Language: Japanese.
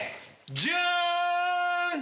ジャーン！